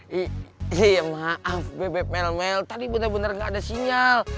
hehehe iya maaf bebep melmel tadi bener bener gak ada sinyal